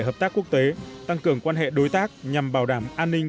hội thao quân sự quân sẽ hợp tác quốc tế tăng cường quan hệ đối tác nhằm bảo đảm an ninh